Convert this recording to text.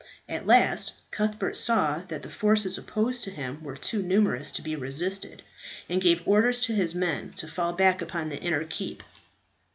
At last Cuthbert saw that the forces opposed to him were too numerous to be resisted, and gave orders to his men to fall back upon the inner keep.